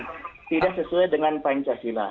tidak sesuai dengan pancasila